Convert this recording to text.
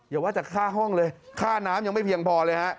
อย่าว่าจะค่าห้องเลยค่าน้ำยังไม่เพียงพอเลยฮะ